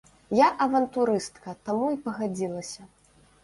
Я авантурыстка, таму і пагадзілася.